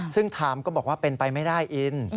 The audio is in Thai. ซึ่งไทม์ก็บอกว่าเป็นไปไม่ได้อิน